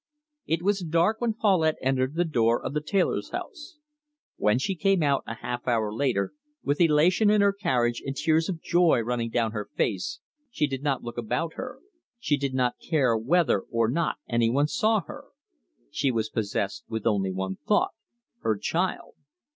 It was dark when Paulette entered the door of the tailor's house. When she came out, a half hour later, with elation in her carriage, and tears of joy running down her face, she did not look about her; she did not care whether or not any one saw her: she was possessed with only one thought her child!